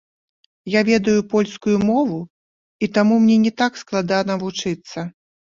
Я ведаю польскую мову і таму мне не так складана вучыцца.